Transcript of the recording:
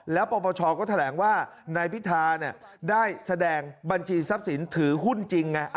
แล้วปปชก็แถลงว่านายพิธาได้แสดงบัญชีทรัพย์สินถือหุ้นจริงไง